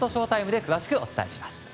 ＳＨＯ‐ＴＩＭＥで詳しくお伝えします。